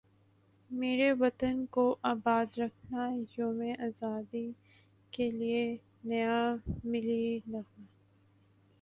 میرے وطن کو اباد رکھنایوم ازادی کے لیے نیا ملی نغمہ